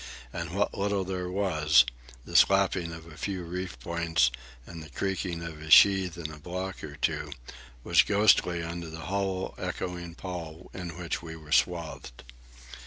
And what little there was,—the slapping of a few reef points and the creaking of a sheave in a block or two,—was ghostly under the hollow echoing pall in which we were swathed.